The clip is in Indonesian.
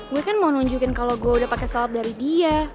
gue kan mau nunjukin kalo gue udah pake salep dari dia